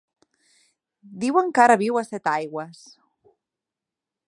Diuen que ara viu a Setaigües.